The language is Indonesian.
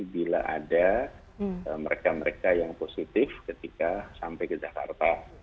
bila ada mereka mereka yang positif ketika sampai ke jakarta